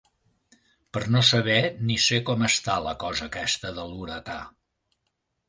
Per no saber, ni sé com està la cosa aquesta de l'huracà.